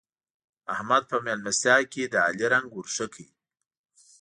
احمد په مېلمستيا کې د علي رنګ ور ښه کړ.